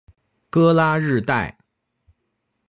戈拉日代。